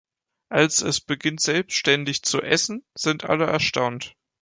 Als es beginnt selbstständig zu essen, sind alle erstaunt.